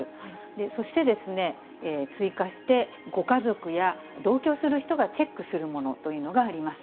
そして、追加して、ご家族や同居する人がチェックするものというのがあります。